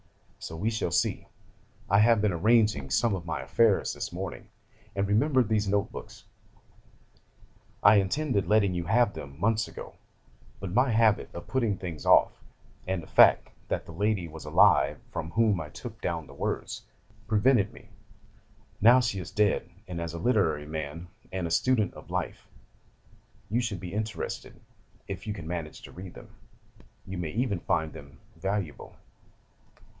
So we shall see. 'I have been arranging some of my affairs this morning, and remembered these notebooks. I intended letting you have them months ago, but my habit of putting things off, and the fact that the lady was alive from whom I took down the words, prevented me. Now she is dead, and as a literary man, and a student of life, you should be interested, if you can manage to read them. You may even find them valuable.